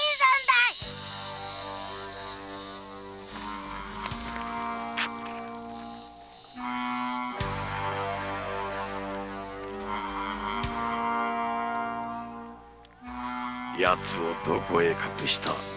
いヤツをどこへ隠した？